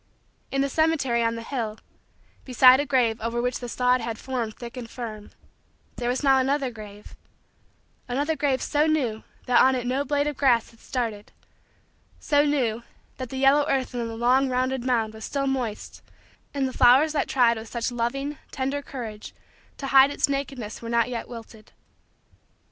In the cemetery on the hill, beside a grave over which the sod had formed thick and firm, there was now another grave another grave so new that on it no blade of grass had started so new that the yellow earth in the long rounded mound was still moist and the flowers that tried with such loving, tender, courage, to hide its nakedness were not yet wilted.